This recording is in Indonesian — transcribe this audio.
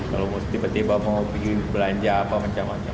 kalau mau tiba tiba mau belanja apa macam macam